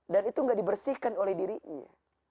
dan itu gak dibersihkan oleh dirinya